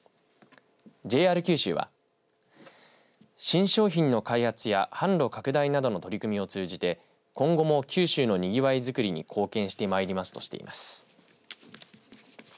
ＪＲ九州は新商品の開発や販路拡大などの取り組みを通じて今後も九州のにぎわいづくりに貢献して参りますとしています。